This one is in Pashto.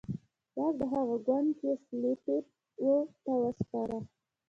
واک د هغه ګوند چې سلپيپ وو ته وسپاره.